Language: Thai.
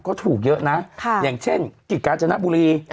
ก็ถูกเยอะนะอย่างเช่นกิจกาญจนบุรี